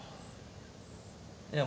いや。